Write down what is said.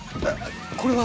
これは！？